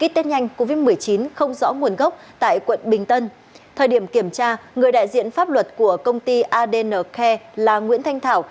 trong thời điểm kiểm tra người đại diện pháp luật của công ty adn care là nguyễn thanh thảo